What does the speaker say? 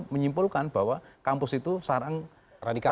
menyimpulkan bahwa kampus itu sarang radikal